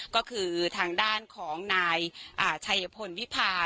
ก็คือทางด้านของนายชัยพลวิพา